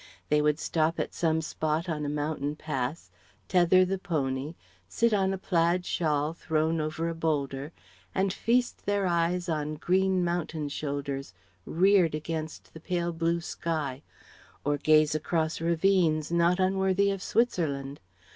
They would stop at some spot on a mountain pass; tether the pony, sit on a plaid shawl thrown over a boulder, and feast their eyes on green mountain shoulders reared against the pale blue sky; or gaze across ravines not unworthy of Switzerland.